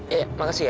ya makasih ya